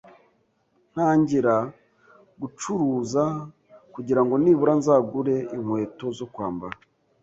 ntangira gucuruza kugirango nibura nzagure inkweto zo kwambara